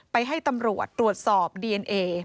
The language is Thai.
ให้ตำรวจตรวจสอบดีเอนเอ